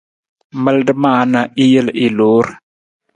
Malada maa na i jel i loor.